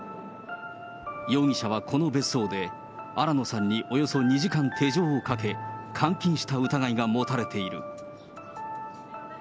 容疑者はこの別荘で、新野さんにおよそ２時間手錠をかけ、監禁した疑いがもたれている。